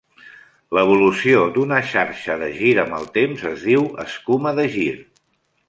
L'evolució d'una xarxa de gir amb el temps es diu escuma de gir.